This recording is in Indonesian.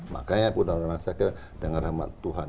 makanya pun orang orang kita dengar rahmat tuhan